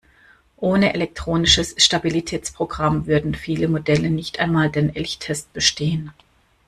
Ohne Elektronisches Stabilitätsprogramm würden viele Modelle nicht einmal den Elchtest bestehen.